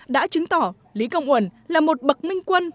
đã chứng tỏ lý công uẩn là một bậc minh quân